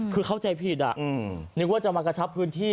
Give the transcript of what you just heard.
คือเข้าใจผิดนึกว่าจะมากระชับพื้นที่